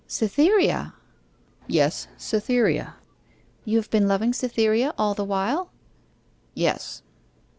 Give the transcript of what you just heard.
'Cytherea!' 'Yes, Cytherea.' 'You have been loving Cytherea all the while?' 'Yes.